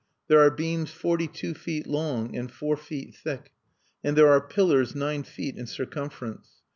There are beams forty two feet long and four feet thick; and there are pillars nine feet in circumference.